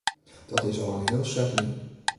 Dat is al in heel set lyn.